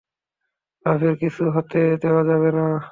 রাভির কিছু হতে দেওয়া যাবে না।